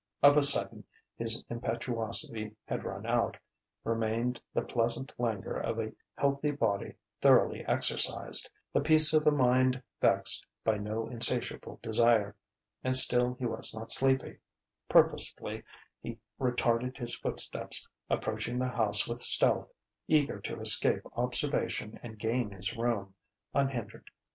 Of a sudden his impetuosity had run out; remained the pleasant languor of a healthy body thoroughly exercised, the peace of a mind vexed by no insatiable desire. And still he was not sleepy. Purposefully he retarded his footsteps, approaching the house with stealth, eager to escape observation and gain his room, unhindered.